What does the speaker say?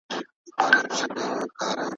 هغه د ناسوتي ژوند سره علاقه نه درلوده.